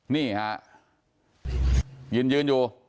นี่ค่ะยืนยืนอยู่